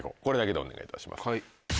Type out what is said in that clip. これだけでお願いいたします。